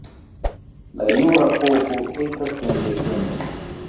La jura povo estas sendependa.